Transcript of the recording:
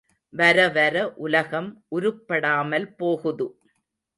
வரவர உலகம் உருப்படாமல் போகுது.